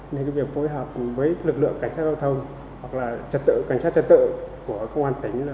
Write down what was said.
nên việc phối hợp với lực lượng cảnh sát giao thông hoặc là trật tự cảnh sát trật tự của công an tỉnh